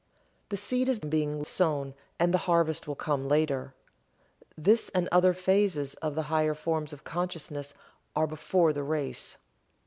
The seed is being sown, and the harvest will come later. This and other phases of the higher forms of consciousness are before the race.